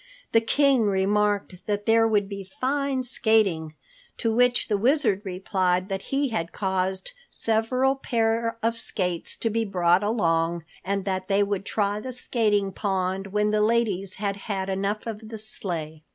The King remarked that there would be fine skating to which the Wizard replied that he had caused several pair of skates to be brought along and that they would try the skating pond when the ladies had had enough of the sleigh.